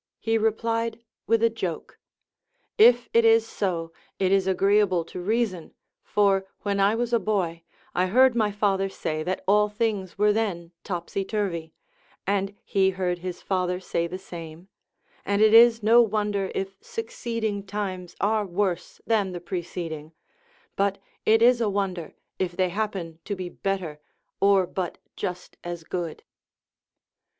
He replied with a joke : If it is so, it is agreeable to reason ; for when I was a boy, I heard my father say that all things were then topsy turvy ; and he heard his father say the same ; and it is no wonder if succeeding times are worse than the [)receding ; but it is a wonder if they happen to be better, or but just as good.